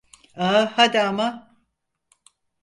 Ah, hadi ama.